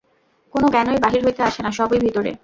কোন জ্ঞানই বাহির হইতে আসে না, সবই ভিতরে।